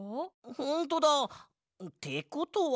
ほんとだ！ってことは。